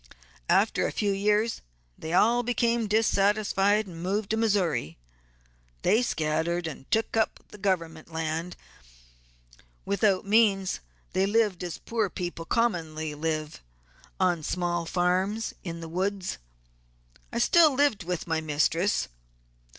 After a few years they all became dissatisfied, and moved to Missouri. They scattered, and took up government land. Without means they lived as poor people commonly live, on small farms in the woods. I still lived with my mistress.